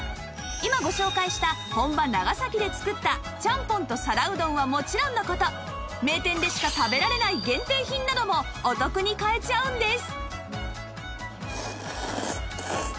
今ご紹介した本場長崎で作ったちゃんぽんと皿うどんはもちろんの事名店でしか食べられない限定品などもお得に買えちゃうんです！